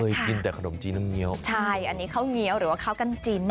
กินแต่ขนมจีนน้ำเงี้ยวใช่อันนี้ข้าวเงี้ยวหรือว่าข้าวกันจีน